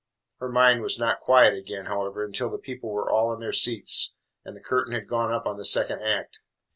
Her mind was not quiet again, however, until the people were all in their seats and the curtain had gone up on the second act.